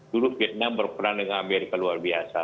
dulu vietnam berperan dengan amerika luar biasa